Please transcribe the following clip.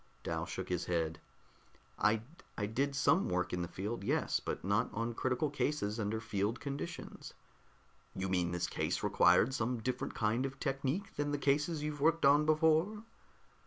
Dal shook his head. "I I did some work in the field, yes, but not on critical cases under field conditions." "You mean that this case required some different kind of technique than the cases you've worked on before?"